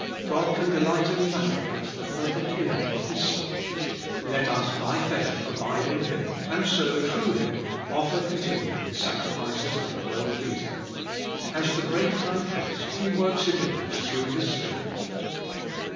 God can delight In nothing but the perfect image of His Son. Let us, by faith, abide in Him, and so through Him offer continually sacrifices that are well pleasing. As the great High Priest, He worhs It in us through His Spirit.